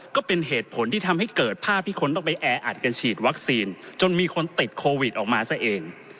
ก็เป็นเหตุผลที่ทำให้เกิดภาพที่คนต้องไปแออัดกันฉีดวัคซีนจนมีคนติดโควิดออกมาซะเอง